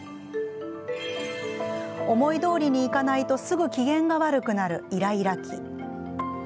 思いどおりにいかないとすぐ機嫌が悪くなるイライラ期。